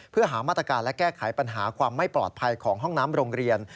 เพื่อหามาตรการและแก้ไขปัญหาความไม่ปลอดภัยของห้องน้ำโรงเรียน